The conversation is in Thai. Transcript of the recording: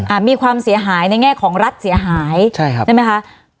มีความเสียหายในแง่ของรัฐเสียหายใช่ครับใช่ไหมคะ